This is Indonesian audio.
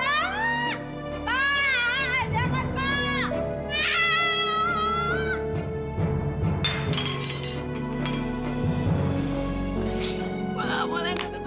gue nggak boleh ketemu lagi gue nggak boleh gue nggak boleh